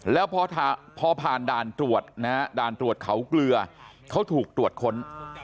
แล้วพอผ่านด่านตรวจเขาเกลือเขาถูกตรวจค้น